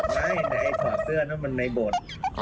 ในถอดเสื้อนั้นมันในบท